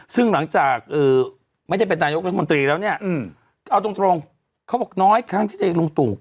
ซึ่งหลังจากไม่ได้เป็นนายกรัฐมนตรีแล้วเนี่ยเอาตรงเขาบอกน้อยครั้งที่ตัวเองลุงตู่